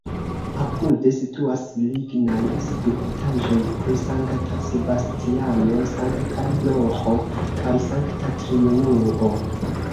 Apude situas lignaj skulptaĵoj pri Sankta Sebastiano, Sankta Roĥo kaj Sankta Triunuo.